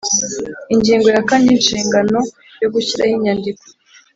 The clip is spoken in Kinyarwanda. Ingingo ya kane Inshingano yo gushyiraho inyandiko